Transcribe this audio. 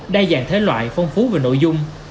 đa dạng thế loại phong phú về nội dung